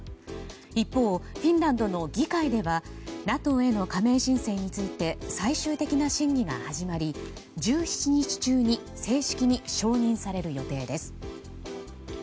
一方、フィンランドの議会ではＮＡＴＯへの加盟申請について最終的な審議が始まり１７日中に正式に承認される予定です。